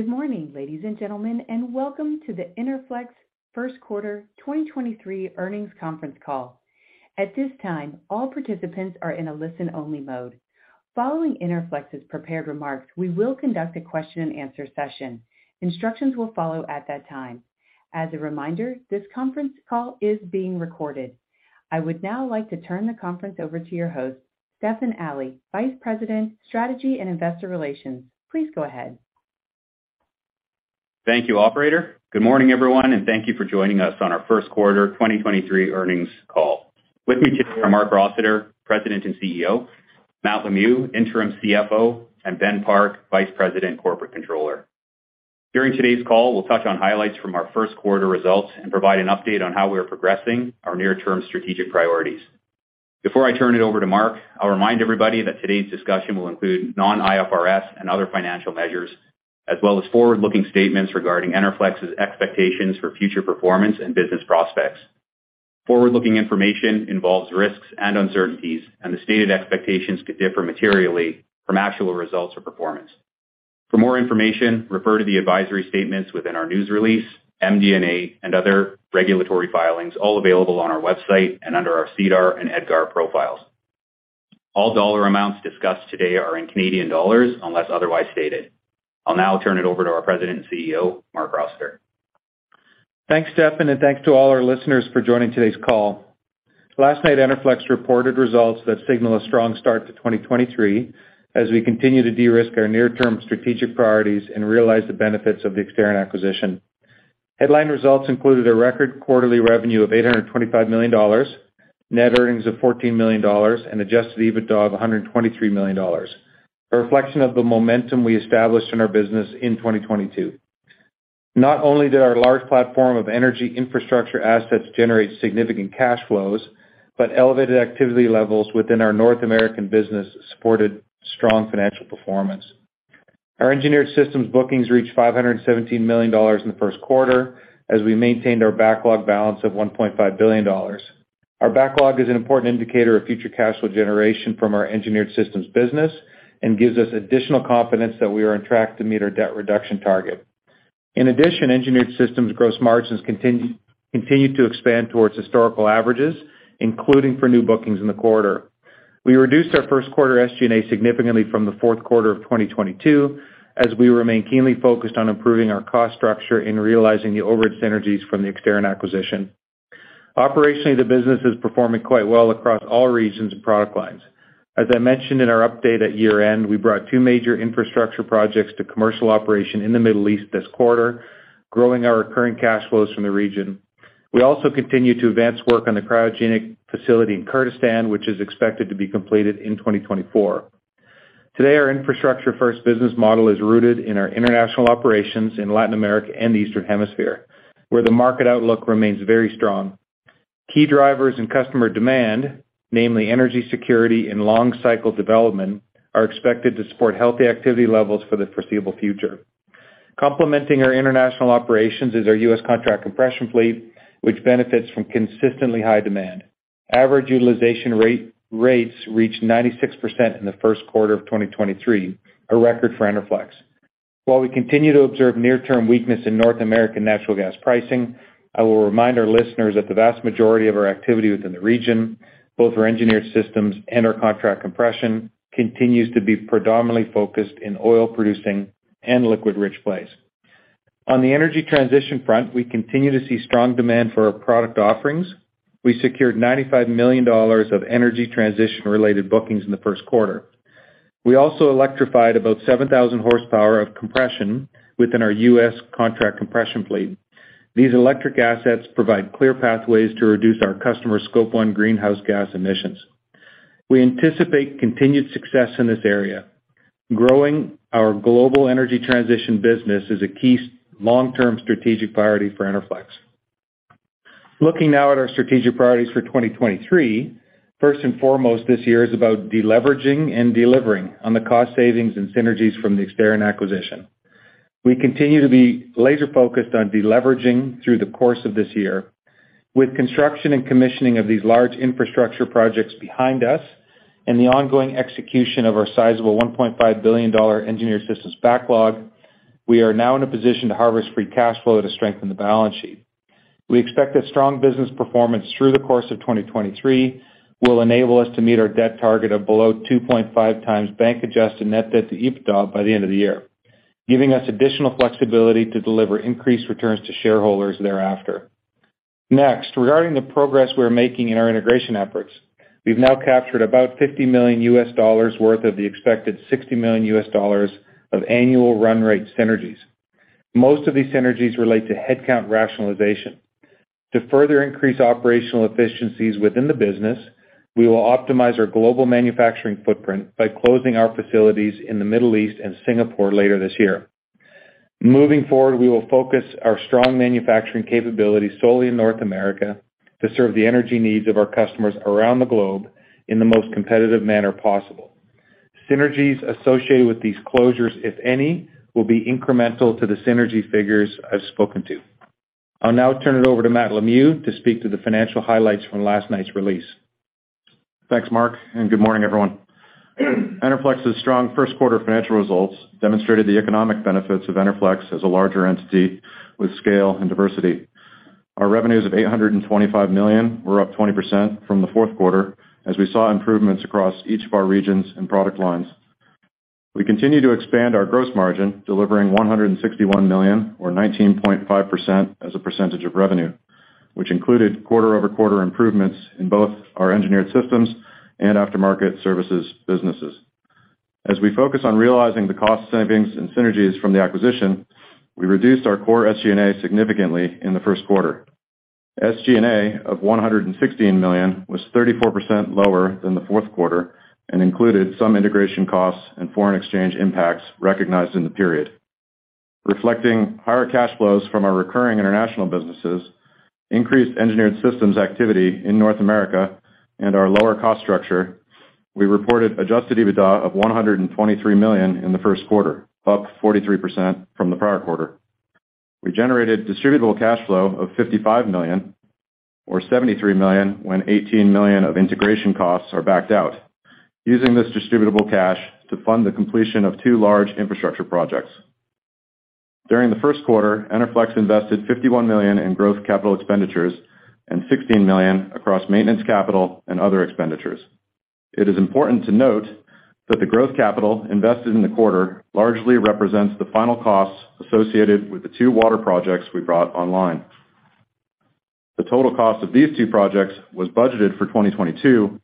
Good morning, ladies and gentlemen. Welcome to the Enerflex first quarter 2023 earnings conference call. At this time, all participants are in a listen-only mode. Following Enerflex's prepared remarks, we will conduct a question-and-answer session. Instructions will follow at that time. As a reminder, this conference call is being recorded. I would now like to turn the conference over to your host, Stefan Ali, Vice President, Strategy and Investor Relations. Please go ahead. Thank you, operator. Good morning, everyone. Thank you for joining us on our first quarter 2023 earnings call. With me today are Marc Rossiter, President and CEO, Matt Lemieux, Interim CFO, and Ben Park, Vice President Corporate Controller. During today's call, we'll touch on highlights from our first quarter results and provide an update on how we are progressing our near-term strategic priorities. Before I turn it over to Marc, I'll remind everybody that today's discussion will include non-IFRS and other financial measures, as well as forward-looking statements regarding Enerflex's expectations for future performance and business prospects. Forward-looking information involves risks and uncertainties. The stated expectations could differ materially from actual results or performance. For more information, refer to the advisory statements within our news release, MD&A and other regulatory filings, all available on our website and under our SEDAR and EDGAR profiles. All dollar amounts discussed today are in Canadian dollars unless otherwise stated. I'll now turn it over to our President and CEO, Marc Rossiter. Thanks, Stefan, and thanks to all our listeners for joining today's call. Last night, Enerflex reported results that signal a strong start to 2023 as we continue to de-risk our near-term strategic priorities and realize the benefits of the Exterran acquisition. Headline results included a record quarterly revenue of 825 million dollars, net earnings of 14 million dollars, and adjusted EBITDA of 123 million dollars, a reflection of the momentum we established in our business in 2022. Not only did our large platform of energy infrastructure assets generate significant cash flows, but elevated activity levels within our North American business supported strong financial performance. Our Engineered Systems bookings reached 517 million dollars in the first quarter as we maintained our backlog balance of 1.5 billion dollars. Our backlog is an important indicator of future cash flow generation from our Engineered Systems business and gives us additional confidence that we are on track to meet our debt reduction target. In addition, Engineered Systems gross margins continue to expand towards historical averages, including for new bookings in the quarter. We reduced our first quarter SG&A significantly from the fourth quarter of 2022, as we remain keenly focused on improving our cost structure in realizing the overhead synergies from the Exterran acquisition. Operationally, the business is performing quite well across all regions and product lines. As I mentioned in our update at year-end, we brought two major infrastructure projects to commercial operation in the Middle East this quarter, growing our recurring cash flows from the region. We also continue to advance work on the cryogenic facility in Kurdistan, which is expected to be completed in 2024. Today, our infrastructure-first business model is rooted in our international operations in Latin America and the Eastern Hemisphere, where the market outlook remains very strong. Key drivers and customer demand, namely energy security and long cycle development, are expected to support healthy activity levels for the foreseeable future. Complementing our international operations is our US Contract Compression fleet, which benefits from consistently high demand. Average utilization rates reached 96% in the first quarter of 2023, a record for Enerflex. While we continue to observe near-term weakness in North American natural gas pricing, I will remind our listeners that the vast majority of our activity within the region, both our Engineered Systems and our Contract Compression, continues to be predominantly focused in oil producing and liquid-rich plays. On the energy transition front, we continue to see strong demand for our product offerings. We secured 95 million dollars of energy transition-related bookings in the first quarter. We also electrified about 7,000 horsepower of compression within our U.S. Contract Compression fleet. These electric assets provide clear pathways to reduce our customer Scope 1 greenhouse gas emissions. We anticipate continued success in this area. Growing our global energy transition business is a key long-term strategic priority for Enerflex. Looking now at our strategic priorities for 2023, first and foremost, this year is about deleveraging and delivering on the cost savings and synergies from the Exterran acquisition. We continue to be laser-focused on deleveraging through the course of this year. With construction and commissioning of these large infrastructure projects behind us and the ongoing execution of our sizable 1.5 billion dollar Engineered Systems backlog, we are now in a position to harvest free cash flow to strengthen the balance sheet. We expect a strong business performance through the course of 2023 will enable us to meet our debt target of below 2.5 times bank-adjusted net debt to EBITDA by the end of the year, giving us additional flexibility to deliver increased returns to shareholders thereafter. Regarding the progress we are making in our integration efforts, we've now captured about $50 million worth of the expected $60 million of annual run rate synergies. Most of these synergies relate to headcount rationalization. To further increase operational efficiencies within the business, we will optimize our global manufacturing footprint by closing our facilities in the Middle East and Singapore later this year. Moving forward, we will focus our strong manufacturing capabilities solely in North America to serve the energy needs of our customers around the globe in the most competitive manner possible. Synergies associated with these closures, if any, will be incremental to the synergy figures I've spoken to. I'll now turn it over to Matt Lemieux to speak to the financial highlights from last night's release. Thanks, Marc. Good morning, everyone. Enerflex's strong first quarter financial results demonstrated the economic benefits of Enerflex as a larger entity with scale and diversity. Our revenues of 825 million were up 20% from the fourth quarter as we saw improvements across each of our regions and product lines. We continue to expand our gross margin, delivering 161 million or 19.5% as a percentage of revenue, which included quarter-over-quarter improvements in both our Engineered Systems and After-Market Services businesses. As we focus on realizing the cost savings and synergies from the acquisition, we reduced our core SG&A significantly in the first quarter. SG&A of 116 million was 34% lower than the fourth quarter and included some integration costs and foreign exchange impacts recognized in the period. Reflecting higher cash flows from our recurring international businesses, increased Engineered Systems activity in North America and our lower cost structure, we reported adjusted EBITDA of 123 million in the first quarter, up 43% from the prior quarter. We generated distributable cash flow of 55 million or 73 million when 18 million of integration costs are backed out, using this distributable cash to fund the completion of two large infrastructure projects. During the first quarter, Enerflex invested 51 million in growth capital expenditures and 16 million across maintenance capital and other expenditures. It is important to note that the growth capital invested in the quarter largely represents the final costs associated with the two water projects we brought online. The total cost of these two projects was budgeted for 2022.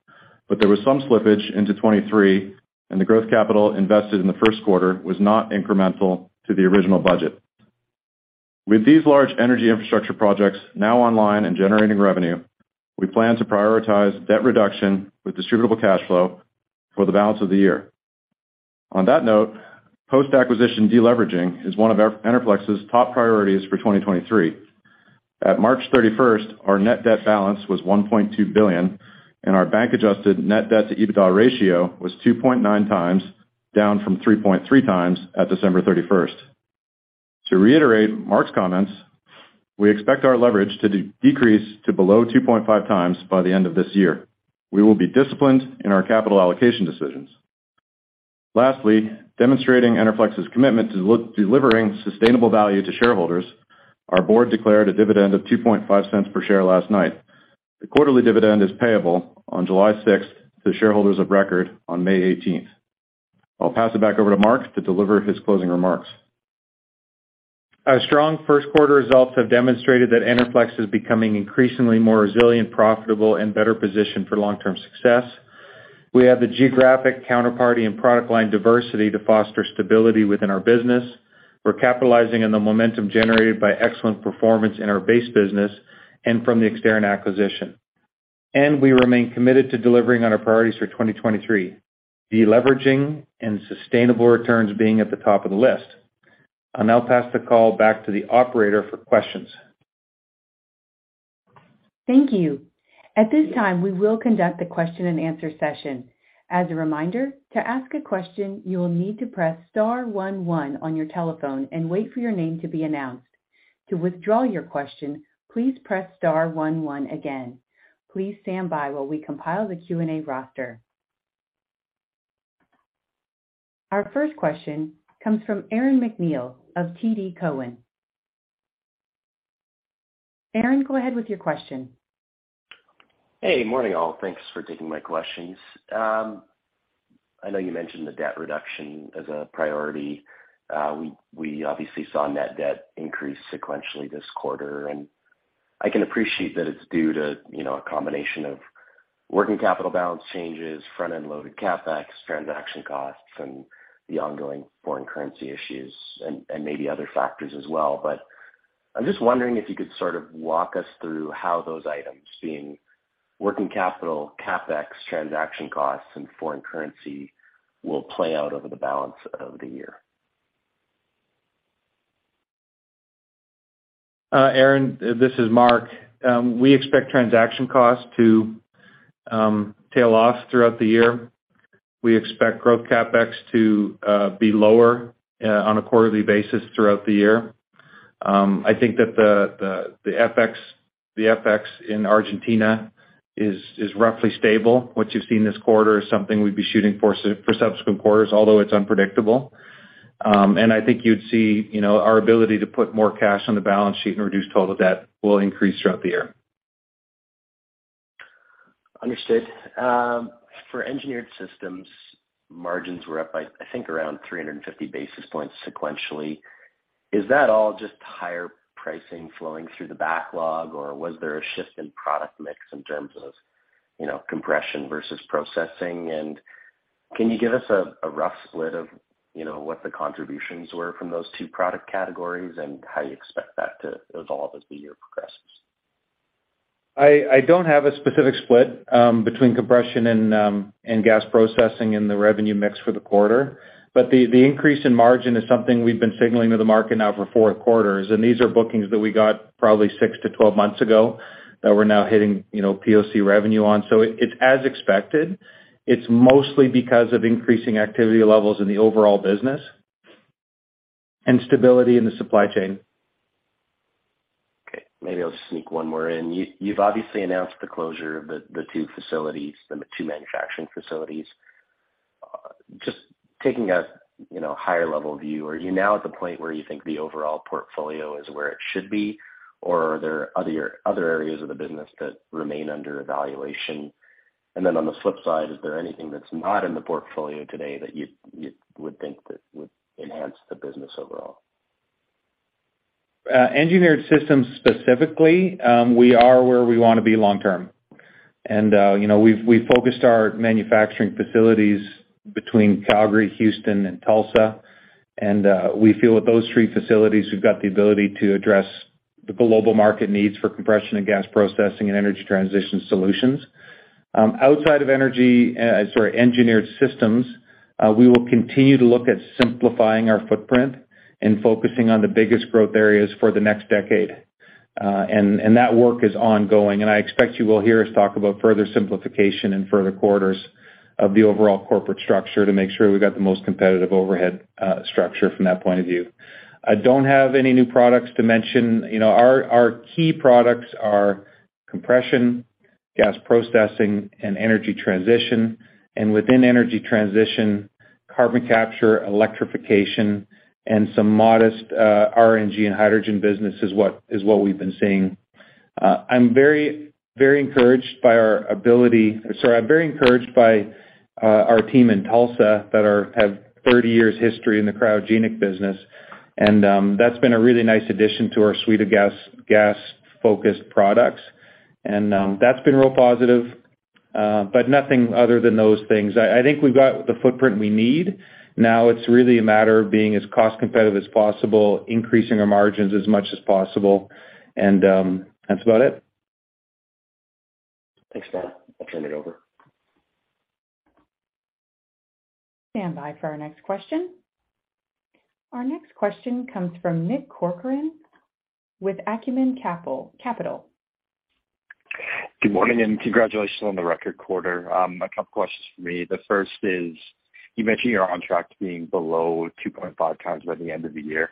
There was some slippage into 2023, and the growth capital invested in the first quarter was not incremental to the original budget. With these large Energy Infrastructure projects now online and generating revenue, we plan to prioritize debt reduction with distributable cash flow for the balance of the year. On that note, post-acquisition deleveraging is one of Enerflex's top priorities for 2023. At 31st March, our net debt balance was $1.2 billion, and our bank-adjusted net debt-to-EBITDA ratio was 2.9x, down from 3.3x at 31st December. To reiterate Marc's comments, we expect our leverage to decrease to below 2.5x by the end of this year. We will be disciplined in our capital allocation decisions. Lastly, demonstrating Enerflex's commitment to delivering sustainable value to shareholders, our board declared a dividend of 0.025 per share last night. The quarterly dividend is payable on 6th July to shareholders of record on 18th May. I'll pass it back over to Marc to deliver his closing remarks. Our strong first quarter results have demonstrated that Enerflex is becoming increasingly more resilient, profitable, and better positioned for long-term success. We have the geographic counterparty and product line diversity to foster stability within our business. We're capitalizing on the momentum generated by excellent performance in our base business and from the Exterran acquisition. We remain committed to delivering on our priorities for 2023, deleveraging and sustainable returns being at the top of the list. I'll now pass the call back to the operator for questions. Thank you. At this time, we will conduct the question-and-answer session. As a reminder, to ask a question, you will need to press star one-one on your telephone and wait for your name to be announced. To withdraw your question, please press star one one again. Please stand by while we compile the Q&A roster. Our first question comes from Aaron MacNeil of TD Cowen. Aaron, go ahead with your question. Hey, morning all. Thanks for taking my questions. I know you mentioned the debt reduction as a priority. We obviously saw net debt increase sequentially this quarter, and I can appreciate that it's due to a combination of working capital balance changes, front-end loaded CapEx, transaction costs, and the ongoing foreign currency issues and maybe other factors as well. I'm just wondering if you could sort of walk us through how those items being working capital, CapEx, transaction costs, and foreign currency will play out over the balance of the year. Aaron, this is Mark. We expect transaction costs to tail off throughout the year. We expect growth CapEx to be lower on a quarterly basis throughout the year. I think that the FX in Argentina is roughly stable. What you've seen this quarter is something we'd be shooting for subsequent quarters, although it's unpredictable. And I think you'd see, our ability to put more cash on the balance sheet and reduce total debt will increase throughout the year. Understood. For Engineered Systems, margins were up by, I think, around 350 basis points sequentially. Is that all just higher pricing flowing through the backlog, or was there a shift in product mix in terms of compression versus processing? Can you give us a rough split of, what the contributions were from those two product categories and how you expect that to evolve as the year progresses? I don't have a specific split between compression and gas processing in the revenue mix for the quarter. The increase in margin is something we've been signaling to the market now for 4 quarters, and these are bookings that we got probably 6-12 months ago that we're now hitting, POC revenue on. It's as expected. It's mostly because of increasing activity levels in the overall business and stability in the supply chain. Maybe I'll just sneak one more in. You've obviously announced the closure of the two facilities, the two manufacturing facilities. Just taking a, higher level view, are you now at the point where you think the overall portfolio is where it should be? Are there other areas of the business that remain under evaluation? On the flip side, is there anything that's not in the portfolio today that you would think that would enhance the business overall? Engineered Systems specifically, we are where we wanna be long-term. You know, we've focused our manufacturing facilities between Calgary, Houston and Tulsa. We feel with those three facilities, we've got the ability to address the global market needs for compression and gas processing and energy transition solutions. Outside of energy, sorry, Engineered Systems, we will continue to look at simplifying our footprint and focusing on the biggest growth areas for the next decade. That work is ongoing, and I expect you will hear us talk about further simplification in further quarters of the overall corporate structure to make sure we've got the most competitive overhead structure from that point of view. I don't have any new products to mention. You know, our key products are compression, gas processing and energy transition. Within energy transition, carbon capture, electrification and some modest RNG and hydrogen business is what we've been seeing. Sorry, I'm very encouraged by our team in Tulsa that have 30 years history in the cryogenic business, and that's been a really nice addition to our suite of gas-focused products. That's been real positive, but nothing other than those things. I think we've got the footprint we need. Now it's really a matter of being as cost competitive as possible, increasing our margins as much as possible and that's about it. Thanks, Mark. I'll turn it over. Stand by for our next question. Our next question comes from Nick Corcoran with Acumen Capital. Good morning and congratulations on the record quarter. A couple questions for me. The first is, you mentioned you're on track to being below 2.5 times by the end of the year.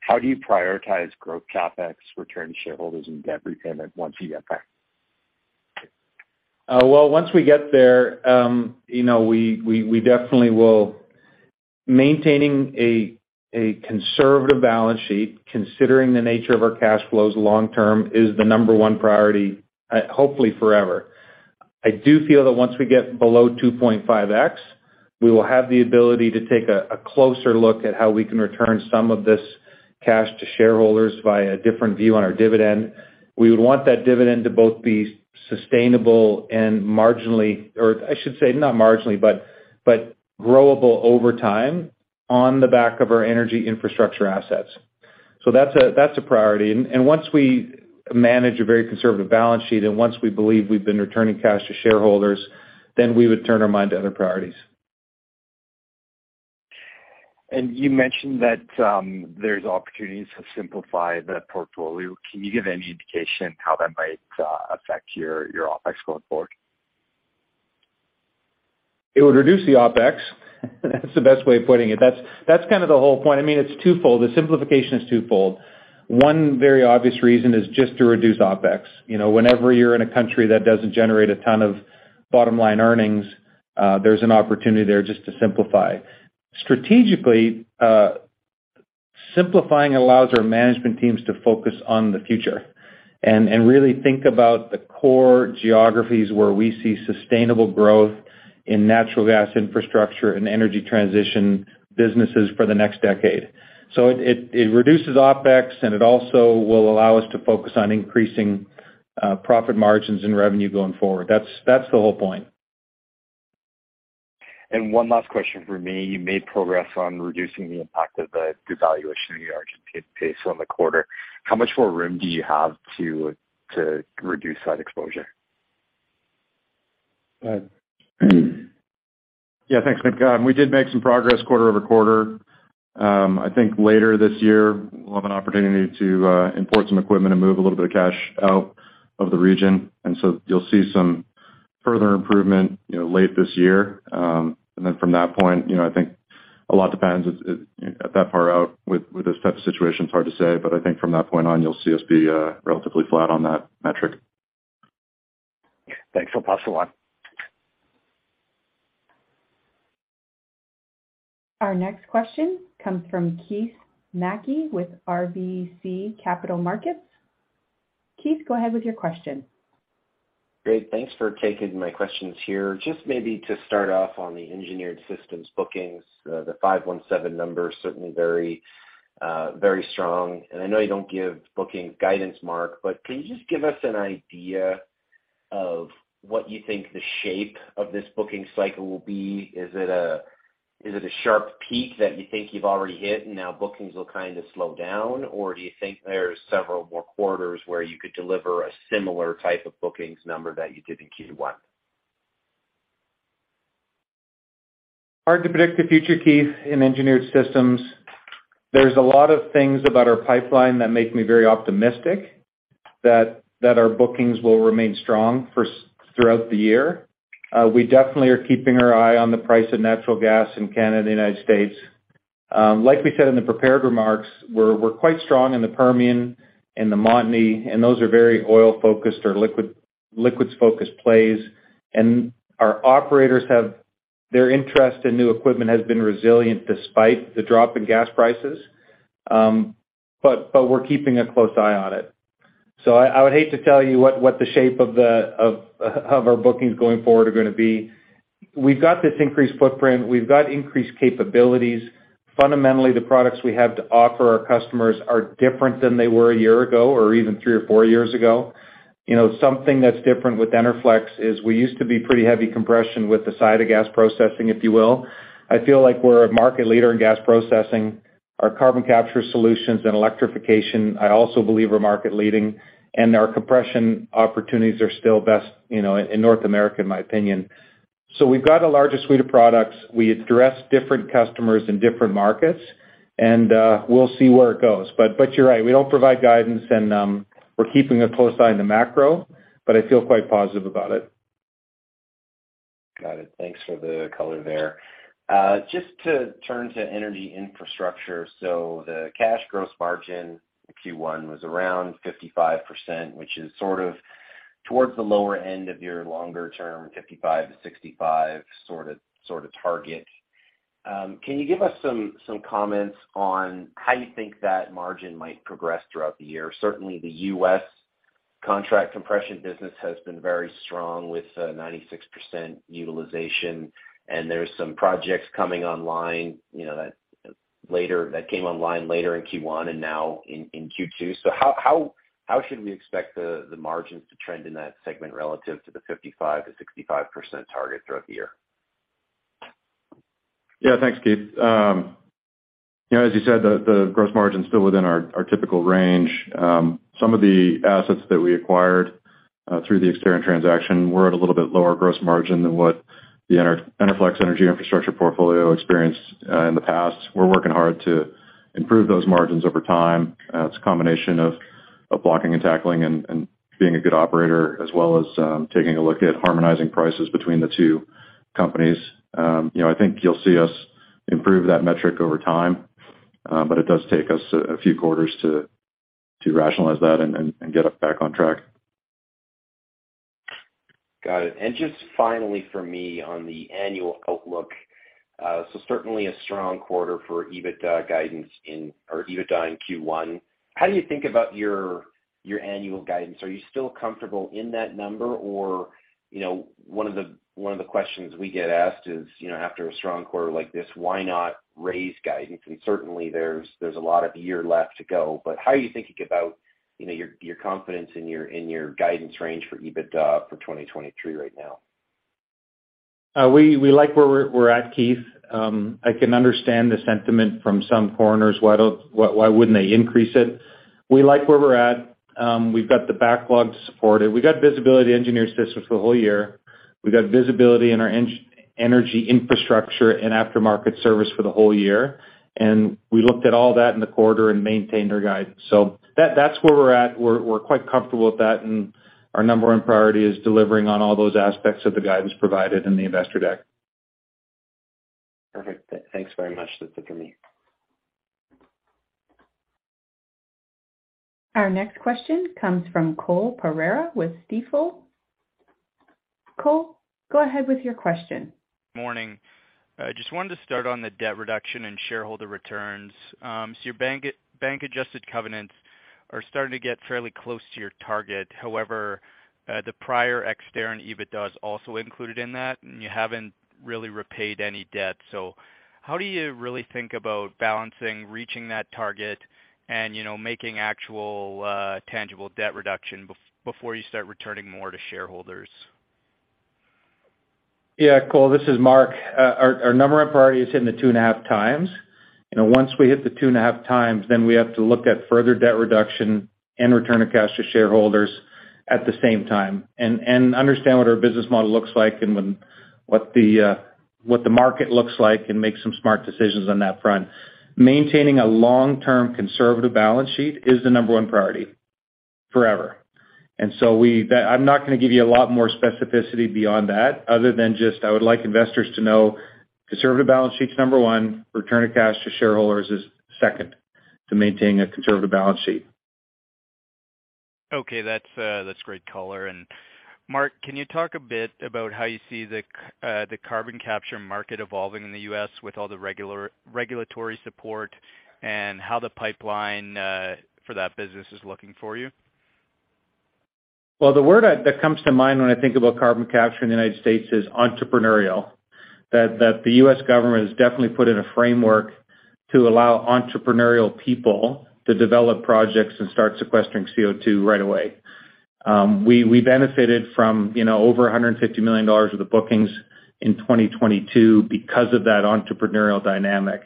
How do you prioritize growth CapEx return to shareholders and debt repayment once you get there? Well, once we get there, we definitely will maintaining a conservative balance sheet, considering the nature of our cash flows long-term, is the number one priority, hopefully forever. I do feel that once we get below 2.5x, we will have the ability to take a closer look at how we can return some of this cash to shareholders via a different view on our dividend. We would want that dividend to both be sustainable and growable over time on the back of our Energy Infrastructure assets. That's a priority. Once we manage a very conservative balance sheet, and once we believe we've been returning cash to shareholders, then we would turn our mind to other priorities. You mentioned that there's opportunities to simplify the portfolio. Can you give any indication how that might affect your OpEx going forward? It would reduce the OpEx. That's the best way of putting it. That's kind of the whole point. I mean, it's twofold. The simplification is twofold. One very obvious reason is just to reduce OpEx. You know, whenever you're in a country that doesn't generate a ton of bottom-line earnings, there's an opportunity there just to simplify. Strategically, simplifying allows our management teams to focus on the future and really think about the core geographies where we see sustainable growth in natural gas infrastructure and energy transition businesses for the next decade. It reduces OpEx, and it also will allow us to focus on increasing profit margins and revenue going forward. That's the whole point. One last question from me. You made progress on reducing the impact of the devaluation of the Argentine Peso in the quarter. How much more room do you have to reduce that exposure? Go ahead. Yeah, thanks, Nick. We did make some progress quarter-over-quarter. I think later this year we'll have an opportunity to import some equipment and move a little bit of cash out of the region, and so you'll see some further improvement, late this year. From that point, I think a lot depends at that far out with this type of situation, it's hard to say. I think from that point on, you'll see us be relatively flat on that metric. Thanks. I'll pass to one. Our next question comes from Keith Mackey with RBC Capital Markets. Keith, go ahead with your question. Great. Thanks for taking my questions here. Just maybe to start off on the Engineered Systems bookings, the 517 number is certainly very strong. I know you don't give bookings guidance, Marc, but can you just give us an idea of what you think the shape of this booking cycle will be? Is it a sharp peak that you think you've already hit and now bookings will kind of slow down? Do you think there's several more quarters where you could deliver a similar type of bookings number that you did in Q1? Hard to predict the future, Keith, in Engineered Systems. There's a lot of things about our pipeline that make me very optimistic that our bookings will remain strong throughout the year. We definitely are keeping our eye on the price of natural gas in Canada and the U.S.. Like we said in the prepared remarks, we're quite strong in the Permian and the Montney, and those are very oil-focused or liquids-focused plays. Their interest in new equipment has been resilient despite the drop in gas prices. We're keeping a close eye on it. I would hate to tell you what the shape of our bookings going forward are gonna be. We've got this increased footprint. We've got increased capabilities. Fundamentally, the products we have to offer our customers are different than they were a year ago or even 3 or 4 years ago. You know, something that's different with Enerflex is we used to be pretty heavy compression with a side of gas processing, if you will. I feel like we're a market leader in gas processing. Our carbon capture solutions and electrification, I also believe are market leading, and our compression opportunities are still best, in North America, in my opinion. We've got a larger suite of products. We address different customers in different markets, and we'll see where it goes. You're right. We don't provide guidance and we're keeping a close eye on the macro, but I feel quite positive about it. Got it. Thanks for the color there. Just to turn to Energy Infrastructure. The cash gross margin in Q1 was around 55%, which is sort of towards the lower end of your longer-term 55%-65% sort of target. Can you give us some comments on how you think that margin might progress throughout the year? Certainly, the US Contract Compression business has been very strong with 96% utilization, and there's some projects coming online, that came online later in Q1 and now in Q2. How should we expect the margins to trend in that segment relative to the 55%-65% target throughout the year? Yeah. Thanks, Keith. You know, as you said, the gross margin's still within our typical range. Some of the assets that we acquired through the Exterran transaction were at a little bit lower gross margin than what the Enerflex Energy Infrastructure portfolio experienced in the past. We're working hard to improve those margins over time. It's a combination of blocking and tackling and being a good operator as well as, taking a look at harmonizing prices between the two companies. You know, I think you'll see us improve that metric over time, but it does take us a few quarters to rationalize that and get us back on track. Got it. Just finally for me on the annual outlook. Certainly a strong quarter for EBITDA in Q1. How do you think about your annual guidance? Are you still comfortable in that number? You know, one of the questions we get asked is, after a strong quarter like this, why not raise guidance? Certainly there's a lot of year left to go, but how are you thinking about, your confidence in your, in your guidance range for EBITDA for 2023 right now? We like where we're at, Keith. I can understand the sentiment from some foreigners. Why wouldn't they increase it? We like where we're at. We've got the backlog to support it. We've got visibility on Engineered Systems for the whole year. We've got visibility in our Energy Infrastructure and After-Market Services for the whole year. We looked at all that in the quarter and maintained our guidance. That's where we're at. We're quite comfortable with that, and our number one priority is delivering on all those aspects of the guidance provided in the investor deck. Perfect. Thanks very much, that's it for me. Our next question comes from Cole Pereira with Stifel. Cole, go ahead with your question. Morning. I just wanted to start on the debt reduction and shareholder returns. Your bank-adjusted covenants are starting to get fairly close to your target. However, the prior Exterran EBITDA also included in that, and you haven't really repaid any debt. How do you really think about balancing reaching that target and making actual tangible debt reduction before you start returning more to shareholders? Cole, this is Marc. Our number one priority is hitting the 2.5x. You know, once we hit the 2.5x, we have to look at further debt reduction and return of cash to shareholders at the same time and understand what our business model looks like and what the market looks like and make some smart decisions on that front. Maintaining a long-term conservative balance sheet is the number one priority forever. I'm not gonna give you a lot more specificity beyond that other than just I would like investors to know conservative balance sheet's number one, return of cash to shareholders is second to maintaining a conservative balance sheet. Okay. That's, that's great color. Marc, can you talk a bit about how you see the carbon capture market evolving in the U.S. with all the regulatory support and how the pipeline for that business is looking for you? The word that comes to mind when I think about carbon capture in the U.S. is entrepreneurial. That the U.S. government has definitely put in a framework to allow entrepreneurial people to develop projects and start sequestering CO2 right away. We benefited from, over $150 million of the bookings in 2022 because of that entrepreneurial dynamic.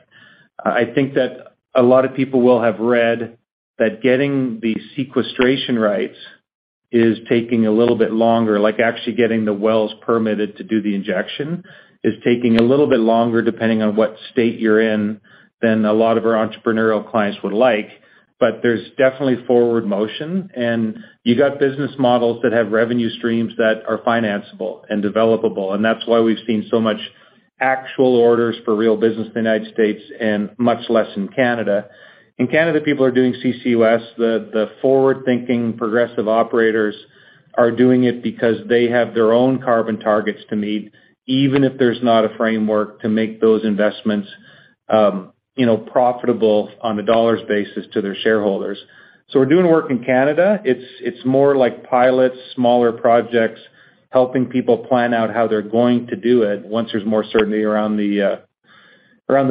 I think that a lot of people will have read that getting the sequestration rights is taking a little bit longer, like actually getting the wells permitted to do the injection is taking a little bit longer, depending on what state you're in, than a lot of our entrepreneurial clients would like. There's definitely forward motion, and you got business models that have revenue streams that are financeable and developable, and that's why we've seen so much actual orders for real business in the U.S. and much less in Canada. In Canada, people are doing CCUS. The forward-thinking progressive operators are doing it because they have their own carbon targets to meet, even if there's not a framework to make those investments, profitable on a dollars basis to their shareholders. We're doing work in Canada. It's more like pilots, smaller projects, helping people plan out how they're going to do it once there's more certainty around the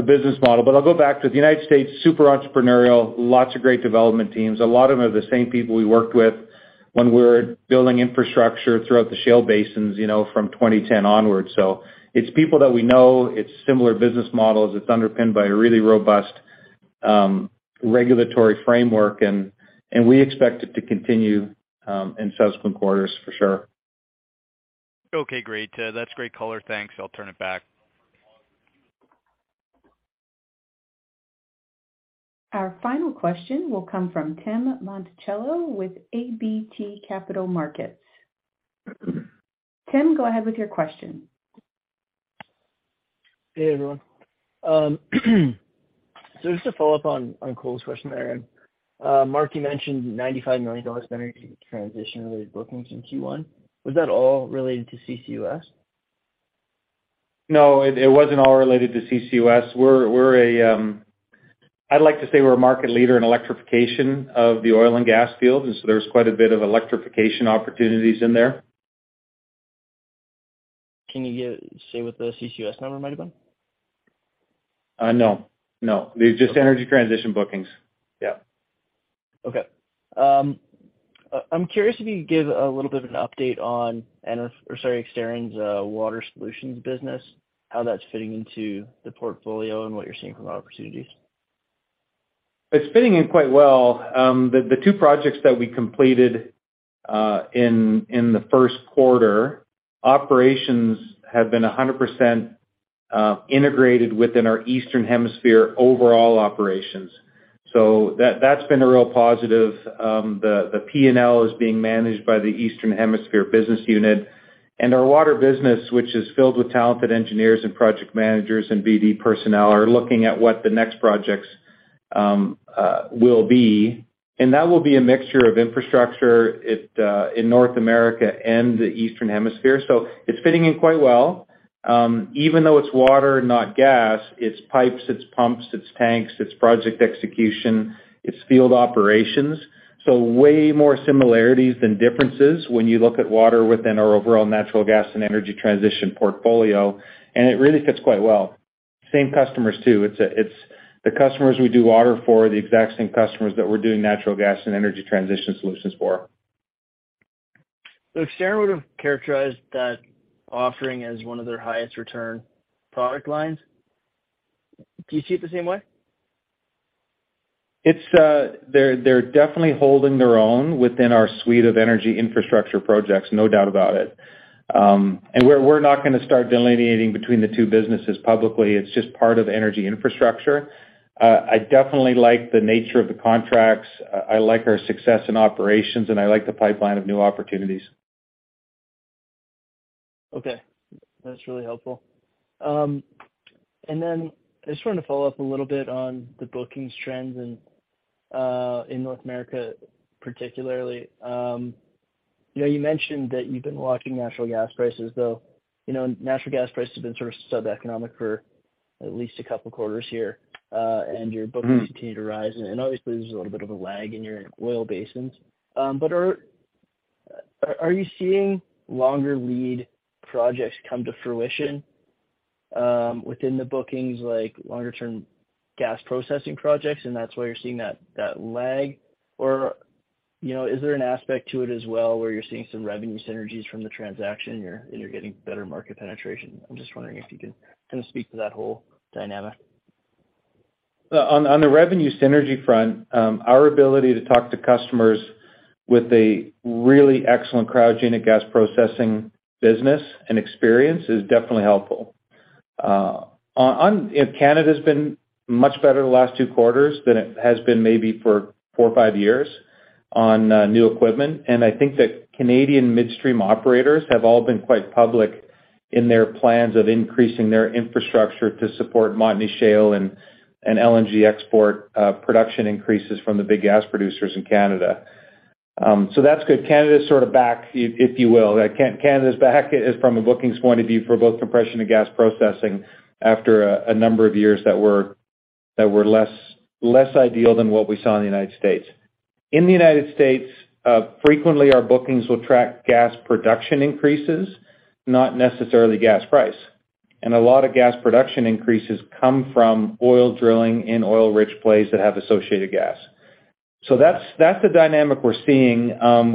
business model. I'll go back to the U.S., super entrepreneurial, lots of great development teams. A lot of them are the same people we worked with when we were building infrastructure throughout the shale basins from 2010 onwards. It's people that we know. It's similar business models. It's underpinned by a really robust regulatory framework, and we expect it to continue in subsequent quarters for sure. Okay. Great. That's great color. Thanks. I'll turn it back. Our final question will come from Tim Monachello with ATB Capital Markets. Tim, go ahead with your question. Hey, everyone. just to follow up on Cole's question there. Marc, you mentioned 95 million dollars energy transition-related bookings in Q1. Was that all related to CCUS? No, it wasn't all related to CCUS. I'd like to say we're a market leader in electrification of the oil and gas field. There's quite a bit of electrification opportunities in there. Can you say what the CCUS number might have been? No. No. Okay. They're just energy transition bookings. Yeah. Okay. I'm curious if you could give a little bit of an update on Exterran's water solutions business, how that's fitting into the portfolio and what you're seeing from opportunities. It's fitting in quite well. The two projects that we completed in the first quarter, operations have been 100% integrated within our Eastern Hemisphere overall operations. That's been a real positive. The P&L is being managed by the Eastern Hemisphere business unit. Our water business, which is filled with talented engineers and project managers and BD personnel, are looking at what the next projects will be. That will be a mixture of infrastructure in North America and the Eastern Hemisphere. It's fitting in quite well. Even though it's water, not gas, it's pipes, it's pumps, it's tanks, it's project execution, it's field operations. Way more similarities than differences when you look at water within our overall natural gas and energy transition portfolio, and it really fits quite well. Same customers, too. It's the customers we do water for are the exact same customers that we're doing natural gas and energy transition solutions for. Exterran would have characterized that offering as one of their highest return product lines. Do you see it the same way? It's, they're definitely holding their own within our suite of energy infrastructure projects, no doubt about it. We're not gonna start delineating between the two businesses publicly. It's just part of energy infrastructure. I definitely like the nature of the contracts. I like our success in operations, and I like the pipeline of new opportunities. Okay. That's really helpful. Then I just wanted to follow up a little bit on the bookings trends and, in North America, particularly you mentioned that you've been watching natural gas prices, though. You know, natural gas prices have been sort of sub-economic for at least a couple quarters here, your bookings- Mm-hmm. continue to rise. Obviously, there's a little bit of a lag in your oil basins. Are you seeing longer lead projects come to fruition within the bookings, like longer-term gas processing projects, and that's why you're seeing that lag? You know, is there an aspect to it as well where you're seeing some revenue synergies from the transaction and you're, and you're getting better market penetration? I'm just wondering if you can kind of speak to that whole dynamic. On the revenue synergy front, our ability to talk to customers with a really excellent cryogenic gas processing business and experience is definitely helpful. Canada's been much better the last two quarters than it has been maybe for four or five years on new equipment. I think that Canadian midstream operators have all been quite public in their plans of increasing their infrastructure to support Montney Shale and LNG export production increases from the big gas producers in Canada. That's good. Canada is sort of back, if you will. Canada is back as from a bookings point of view for both compression and gas processing after a number of years that were less ideal than what we saw in the U.S.. In the U.S., frequently our bookings will track gas production increases, not necessarily gas price. A lot of gas production increases come from oil drilling in oil-rich plays that have associated gas. That's the dynamic we're seeing.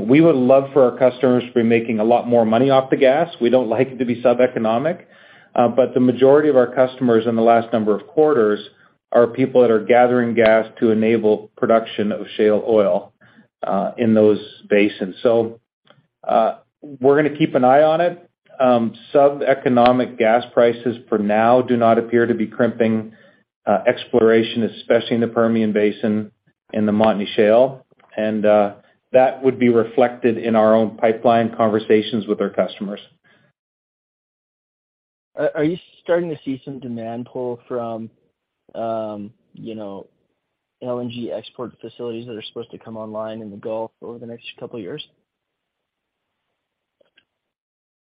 We would love for our customers to be making a lot more money off the gas. We don't like it to be sub-economic. The majority of our customers in the last number of quarters are people that are gathering gas to enable production of shale oil in those basins. We're gonna keep an eye on it. Sub-economic gas prices for now do not appear to be crimping exploration, especially in the Permian Basin and the Montney Shale. That would be reflected in our own pipeline conversations with our customers. Are you starting to see some demand pull from, LNG export facilities that are supposed to come online in the Gulf over the next couple of years?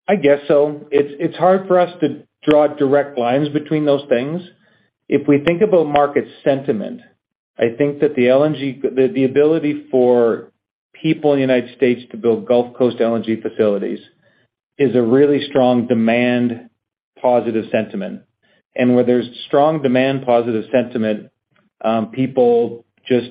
I guess so. It's hard for us to draw direct lines between those things. If we think about market sentiment, I think that the ability for people in the U.S. to build Gulf Coast LNG facilities is a really strong demand positive sentiment. Where there's strong demand positive sentiment, people just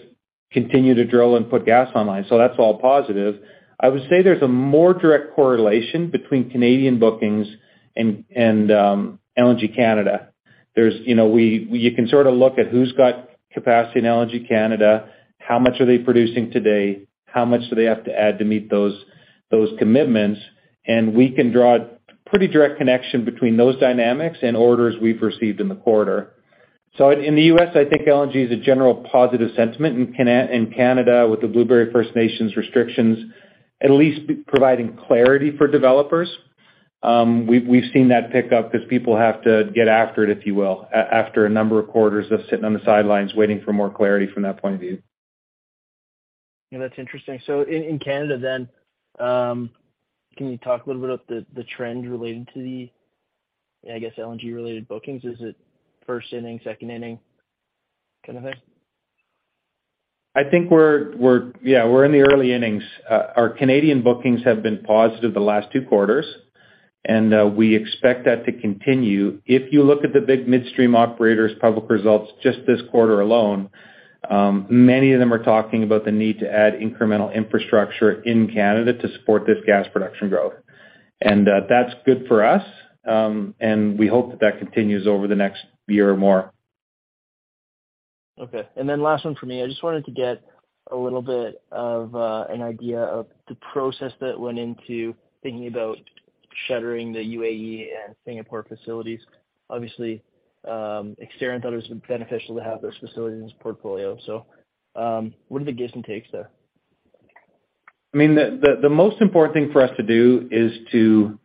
continue to drill and put gas online. That's all positive. I would say there's a more direct correlation between Canadian bookings and LNG Canada. You know, you can sort of look at who's got capacity in LNG Canada, how much are they producing today, how much do they have to add to meet those commitments, and we can draw a pretty direct connection between those dynamics and orders we've received in the quarter. In the US, I think LNG is a general positive sentiment. In Canada, with the Blueberry First Nations restrictions, at least providing clarity for developers. We've seen that pick up as people have to get after it, if you will, after a number of quarters of sitting on the sidelines waiting for more clarity from that point of view. Yeah, that's interesting. In Canada then, can you talk a little bit about the trend relating to the, I guess, LNG-related bookings? Is it first inning, second inning kind of thing? I think we're Yeah, we're in the early innings. Our Canadian bookings have been positive the last two quarters, and we expect that to continue. If you look at the big midstream operators' public results just this quarter alone, many of them are talking about the need to add incremental infrastructure in Canada to support this gas production growth. That's good for us, and we hope that that continues over the next year or more. Last one for me. I just wanted to get a little bit of an idea of the process that went into thinking about shuttering the UAE and Singapore facilities. Obviously, Exterran thought it was beneficial to have those facilities in this portfolio. What are the gives and takes there? I mean, the most important thing for us to do is to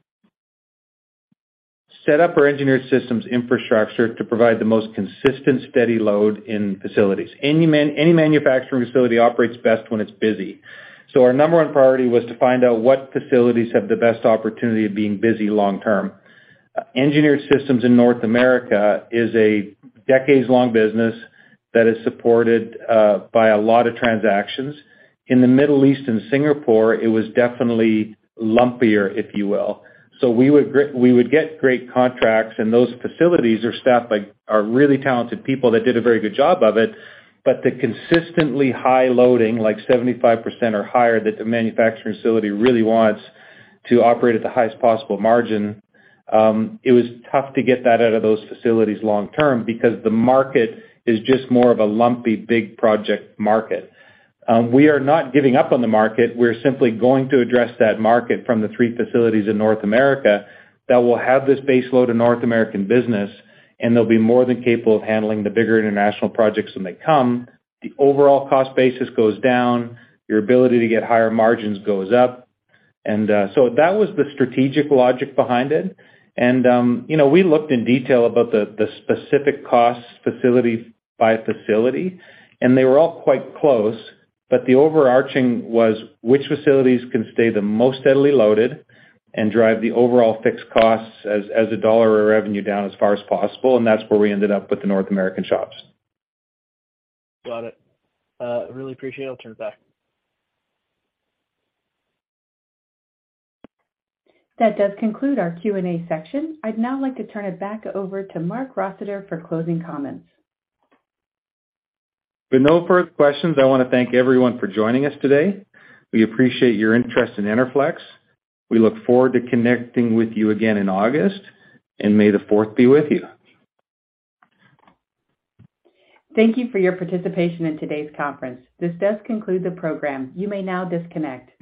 set up our Engineered Systems infrastructure to provide the most consistent, steady load in facilities. Any manufacturing facility operates best when it's busy. Our number one priority was to find out what facilities have the best opportunity of being busy long-term. Engineered Systems in North America is a decades-long business that is supported by a lot of transactions. In the Middle East and Singapore, it was definitely lumpier, if you will. We would get great contracts, and those facilities are staffed by our really talented people that did a very good job of it. The consistently high loading, like 75% or higher, that the manufacturing facility really wants to operate at the highest possible margin, it was tough to get that out of those facilities long-term because the market is just more of a lumpy, big project market. We are not giving up on the market. We're simply going to address that market from the three facilities in North America that will have this base load of North American business, and they'll be more than capable of handling the bigger international projects when they come. The overall cost basis goes down, your ability to get higher margins goes up. That was the strategic logic behind it. You know, we looked in detail about the specific costs facility by facility, and they were all quite close, but the overarching was which facilities can stay the most steadily loaded and drive the overall fixed costs as a dollar of revenue down as far as possible, and that's where we ended up with the North American shops. Got it. really appreciate it. I'll turn it back. That does conclude our Q&A section. I'd now like to turn it back over to Marc Rossiter for closing comments. With no further questions, I wanna thank everyone for joining us today. We appreciate your interest in Enerflex. We look forward to connecting with you again in August. May the fourth be with you. Thank you for your participation in today's conference. This does conclude the program. You may now disconnect.